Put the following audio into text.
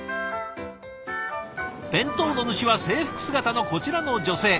弁当の主は制服姿のこちらの女性。